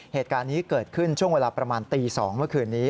เหตุการณ์นี้เกิดขึ้นช่วงเวลาประมาณตี๒เมื่อคืนนี้